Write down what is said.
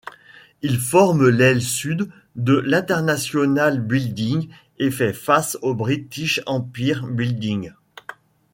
Il forme l'aile sud de l'International Building et fait face au British Empire Building.